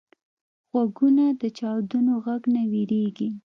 غوږونه د چاودنو غږ نه وېریږي